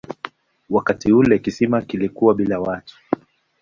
Wakati ule kisiwa kilikuwa bila watu.